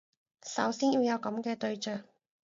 首先要有噉嘅對象